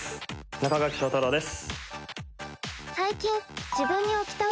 中垣正太郎です。